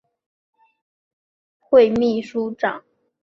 现职客家台湾文史工作室负责人及台湾客家笔会秘书长。